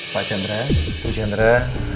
pak jandra tuh jandra